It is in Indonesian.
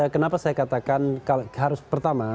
kenapa saya katakan harus pertama